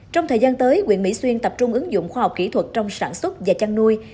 trong thời gian tới quyền mỹ xuyên tập trung ứng dụng khoa học kỹ thuật trong sản xuất và chăn nuôi